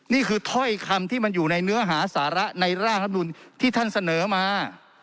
นี่คือถ้อยคำที่มันอยู่ในเนื้อหาสาระในร่างที่ท่านเสนอมา